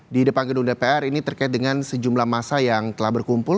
di depan gedung dpr ini terkait dengan sejumlah masa yang telah berkumpul